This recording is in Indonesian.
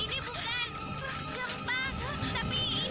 terus harus keluar